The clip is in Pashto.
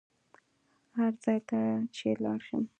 هر ځای ته چې لاړ شم.